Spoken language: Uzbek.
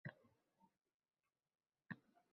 Toʻqqizinchi sinfda oʻqiyotgan eim.